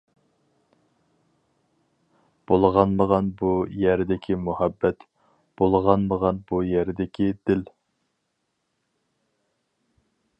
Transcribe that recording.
بۇلغانمىغان بۇ يەردىكى مۇھەببەت، بۇلغانمىغان بۇ يەردىكى دىل.